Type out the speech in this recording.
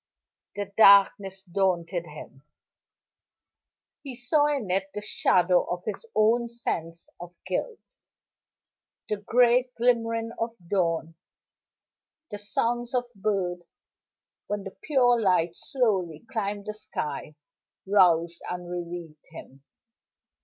The darkness daunted him; he saw in it the shadow of his own sense of guilt. The gray glimmering of dawn, the songs of birds when the pure light softly climbed the sky, roused and relieved him.